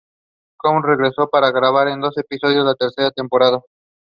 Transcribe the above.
Pictures are missing in the second part.